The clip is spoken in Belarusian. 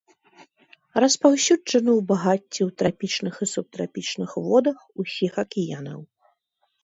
Распаўсюджаны ў багацці ў трапічных і субтрапічных водах усіх акіянаў.